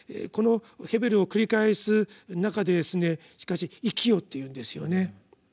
この「ヘベル」を繰り返す中でしかし「生きよ」というんですよね。